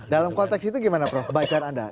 dalam konteks itu gimana prof bacaan anda